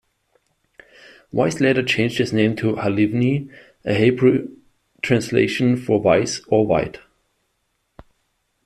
Weiss later changed his name to "Halivni," a Hebrew translation for "weiss" or "white.